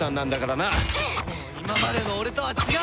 もう今までの俺とは違う！